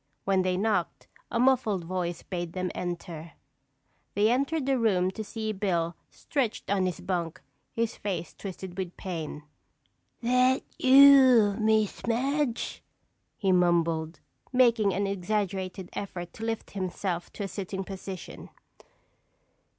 When they knocked, a muffled voice bade them enter. They entered the room to see Bill stretched on his bunk, his face twisted with pain. "Thet you, Miss Madge?" he mumbled, making an exaggerated effort to lift himself to a sitting position.